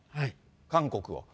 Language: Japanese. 韓国を。